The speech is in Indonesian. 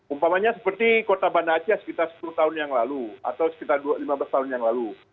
umpamanya seperti kota banda aceh sekitar sepuluh tahun yang lalu atau sekitar lima belas tahun yang lalu